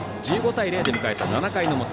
１５対０で迎えた７回の表。